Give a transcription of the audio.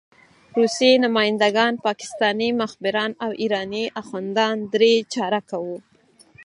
روسي نماینده ګان، پاکستاني مخبران او ایراني اخندان درې چارکه وو.